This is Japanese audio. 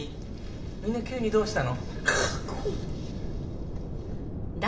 みんな急にどうしたの？